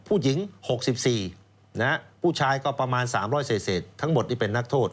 ผู้หญิง๖๔ผู้ชายก็ประมาณ๓๐๐เศษทั้งหมดนี่เป็นนักโทษ